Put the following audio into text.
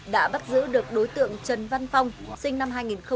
đã bắt giữ được đối tượng trần văn phong sinh năm hai nghìn